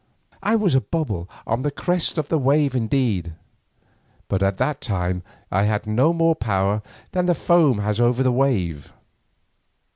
I was a bubble on the crest of the wave indeed, but at that time I had no more power than the foam has over the wave.